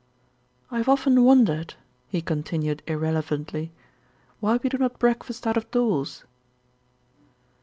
"I have often wondered," he continued irrelevantly, "why we do not breakfast out of doors."